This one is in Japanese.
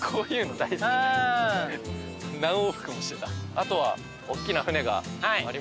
あとは。